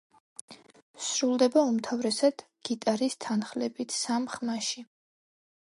სრულდება უმთავრესად გიტარის თანხლებით სამ ხმაში.